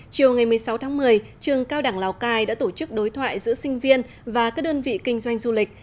chiều ngày một mươi sáu tháng một mươi trường cao đẳng lào cai đã tổ chức đối thoại giữa sinh viên và các đơn vị kinh doanh du lịch